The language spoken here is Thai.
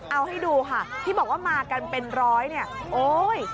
เอาให้ดูค่ะที่บอกว่ามากันเป็นร้อยเนี่ยโอ๊ย